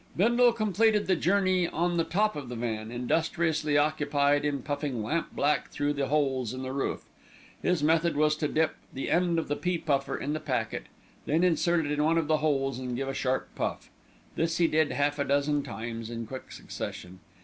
Bindle completed the journey on the top of the van, industriously occupied in puffing lamp black through the holes in the roof. His method was to dip the end of the pea puffer into the packet, then insert it in one of the holes and give a sharp puff. This he did half a dozen times in quick succession.